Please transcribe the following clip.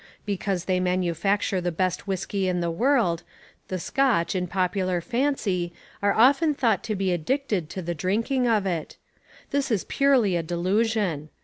Because they manufacture the best whiskey in the world, the Scotch, in popular fancy, are often thought to be addicted to the drinking of it. This is purely a delusion.